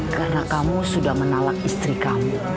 karena kamu sudah menalak istri kamu